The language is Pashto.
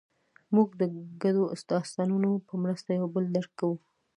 موږ د ګډو داستانونو په مرسته یو بل درک کوو.